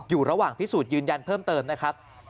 อยู่ระหว่างพิสูจน์ยืนยันเพิ่มเติมนะครับ